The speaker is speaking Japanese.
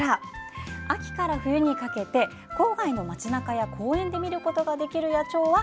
秋から冬にかけて郊外の街中や公園で見ることができる野鳥は？